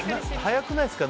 早くないですか？